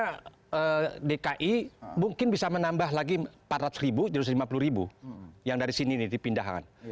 maksudnya dki mungkin bisa menambah lagi rp empat ratus rp tujuh ratus lima puluh yang dari sini nih dipindahkan